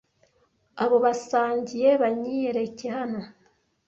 Abo basangiye banyireke hano